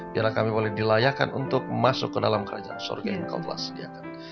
biarlah kami boleh dilayakan untuk masuk ke dalam kerajaan surga yang engkau telah sediakan